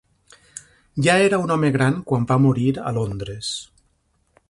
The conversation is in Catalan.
Ja era un home gran quan va morir a Londres.